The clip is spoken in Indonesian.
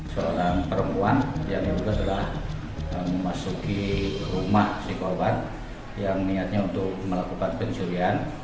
seorang perempuan yang diduga telah memasuki rumah si korban yang niatnya untuk melakukan pencurian